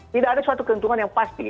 tidak ada suatu keuntungan yang pasti